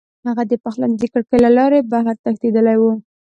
هغه د پخلنځي د کړکۍ له لارې بهر تښتېدلی و